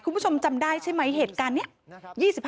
คุณผู้ชมจำได้ใช่ไหมเหตุการณ์นี้